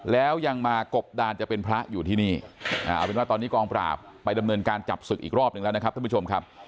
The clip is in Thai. แล้วยังมากบดานจะเป็นพระอยู่ที่นี่เอาเป็นว่าตอนนี้กองปราบไปดำเนินการจับศึกอีกรอบหนึ่งแล้วนะครับท่านผู้ชมครับ